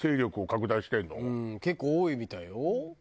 結構多いみたいよ。